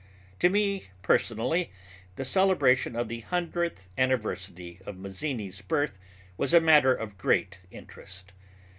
To me personally the celebration of the hundredth anniversary of Mazzini's birth was a matter of great interest.